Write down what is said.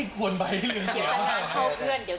เราพูดผิวให้เดี๋ยว